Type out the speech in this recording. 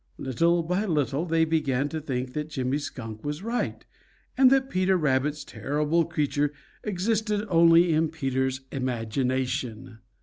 Little by little they began to think that Jimmy Skunk was right, and that Peter Rabbit's terrible creature existed only in Peter's imagination.